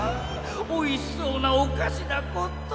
おいしそうなおかしだこと！